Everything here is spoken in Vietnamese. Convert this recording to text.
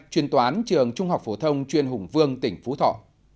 chuyên toán trường trung học phổ thông chuyên hùng vương tỉnh phú thọ